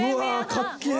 かっけぇ。